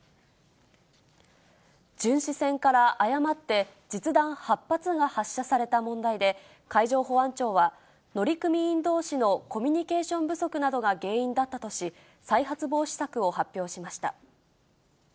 巡視船から誤って実弾８発が発射された問題で、海上保安庁は、乗組員どうしのコミュニケーション不足などが原因だったとし、再発防止策を発表しました。